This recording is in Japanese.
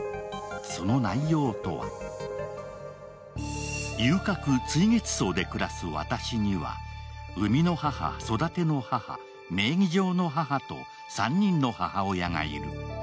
その内容とは遊郭・墜月荘で暮らす私には産みの母、育ての母、名義上の母と３人の母親がいる。